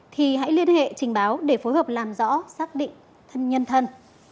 thì hãy liên hệ trình báo để phối hợp làm rõ xác định thân nhân thân